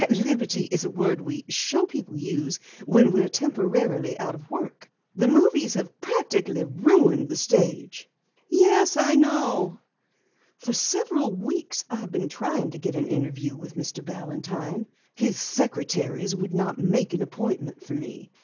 "'At liberty' is a word we show people use when we're temporarily out of work. The movies have practically ruined the stage." "Yes, I know." "For several weeks I have been trying to get an interview with Mr. Balantine. His secretaries would not make an appointment for me.